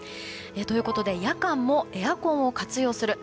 ということで夜間もエアコンを活用する。